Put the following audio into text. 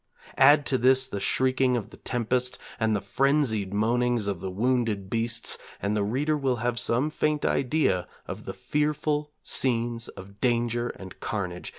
Add to this the shrieking of the tempest, and the frenzied moanings of the wounded beasts, and the reader will have some faint idea of the fearful scenes of danger and carnage